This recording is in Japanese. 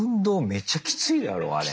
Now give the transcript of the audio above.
めちゃきついだろあれ。